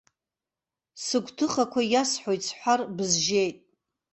Сыгәҭыхақәа иасҳәоит сҳәар бызжьеит.